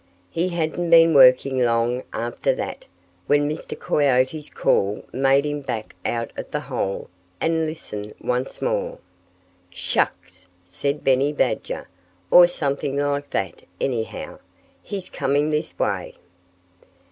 He hadn't been working long after that when Mr. Coyote's call made him back out of the hole and listen once more. "Shucks!" said Benny Badger or something like that, anyhow. "He's coming this way."